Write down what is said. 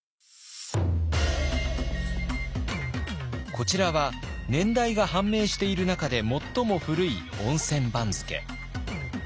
こちらは年代が判明している中で最も古い温泉番付。